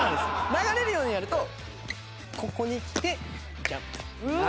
流れるようにやるとここにきてジャンプ。